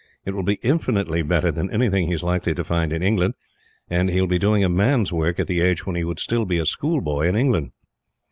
It will be infinitely better than anything he is likely to find in England, and he will be doing a man's work at the age when he would still be a schoolboy in England.